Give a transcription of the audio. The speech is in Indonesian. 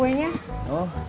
ini udah enak